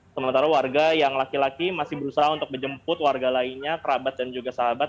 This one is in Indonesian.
sementara warga yang laki laki masih berusaha untuk menjemput warga lainnya kerabat dan juga sahabat